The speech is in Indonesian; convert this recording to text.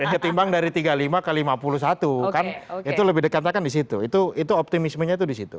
ketimbang dari tiga puluh lima ke lima puluh satu kan itu lebih dekatnya kan di situ itu optimismenya itu di situ